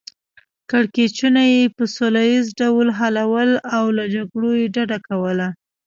کړکیچونه یې په سوله ییز ډول حلول او له جګړو یې ډډه کوله.